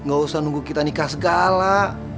gak usah nunggu kita nikah segala